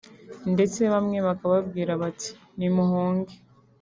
ndetse bamwe bakababwira bati nimuhunge